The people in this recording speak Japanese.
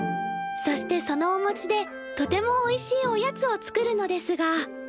そしてそのおもちでとてもおいしいおやつを作るのですが。